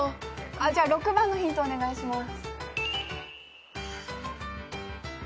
じゃあ６番のヒントお願いします。